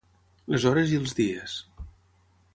Les hores i els dies